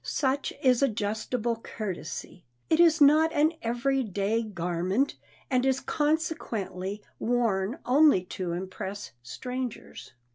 Such is adjustable courtesy! It is not an every day garment, and is, consequently, worn only to impress strangers.